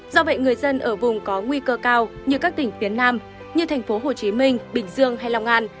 do vậy người dân ở vùng có nguy cơ cao như các tỉnh phía nam như thành phố hồ chí minh bình dương hay long an